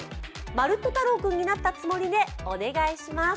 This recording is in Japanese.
まるっと太郎君になったつもりでお願いします。